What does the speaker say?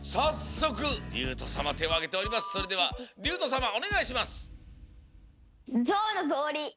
それではりゅうとさまおねがいします！